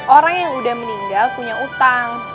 orang yang udah meninggal punya utang